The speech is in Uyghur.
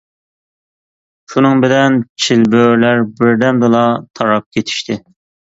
شۇنىڭ بىلەن چىلبۆرىلەر بىردەمدىلا تاراپ كېتىشتى.